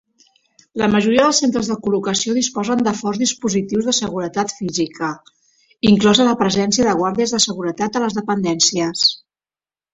La majoria dels centres de col·locació disposen de forts dispositius de seguretat física, inclosa la presència de guàrdies de seguretat a les dependències.